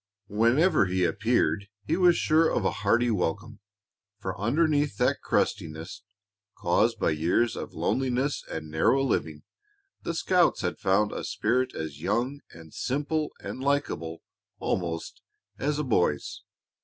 Whenever he appeared he was sure of a hearty welcome, for underneath that crustiness, caused by years of loneliness and narrow living, the scouts had found a spirit as young and simple and likable, almost, as a boy's.